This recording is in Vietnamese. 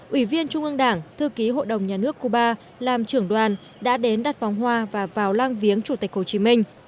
ủy viên trung ương đảng thư ký hội đồng nhà nước cuba làm trưởng đoàn đã đến đặt vòng hoa và vào lang viếng chủ tịch hồ chí minh